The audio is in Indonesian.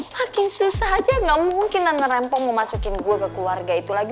makin susah aja nggak mungkin nenek rempong mau masukin gue ke keluarga itu lagi